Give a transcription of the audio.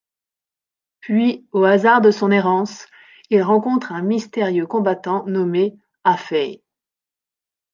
Puis au hasard de son errance, il rencontre un mystérieux combattant nommé Ah-fei.